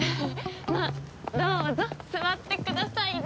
まあどうぞ座ってくださいな。